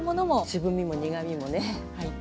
渋みも苦みもねはい。